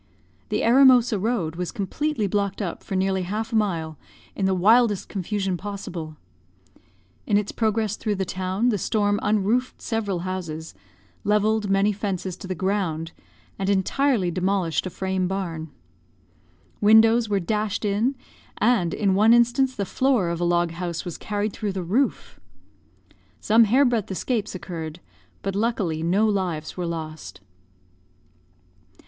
"The Eremosa road was completely blocked up for nearly half a mile, in the wildest confusion possible. In its progress through the town the storm unroofed several houses, levelled many fences to the ground, and entirely demolished a frame barn. Windows were dashed in; and, in one instance, the floor of a log house was carried through the roof. Some hair breadth escapes occurred; but, luckily, no lives were lost.